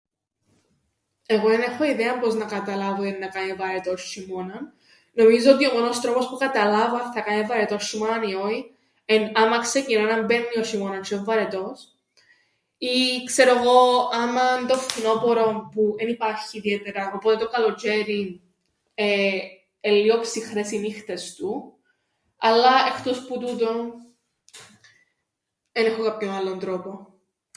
Εγώ εν έχω ιδέα πώς να καταλάβω εννά κάμει βαρετόν σ̆ειμώναν, νομίζω ότι ο μόνος τρόπος να καταλάβω αν θα κάμει βαρετόν σ̆ειμώναν ή όι εν' άμαν ξεκινά να μπαίννει ο σ̆ειμώνας τζ̌αι εν' βαρετός, ή ξέρω 'γω άμαν το φθινώπορον που εν' υπάρχει ιδιαίτερα, οπότε το καλοτζ̌αιριν εν' λλίον ψυχρές οι νύχτες του, αλλά εχτός που τούτον εν έχω κάποιον άλλον τρόπον.